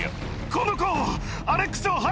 この子を。